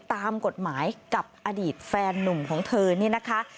ตามกฎหมายกับอดีตแฟนนุ่มของเธอนี่นะคะ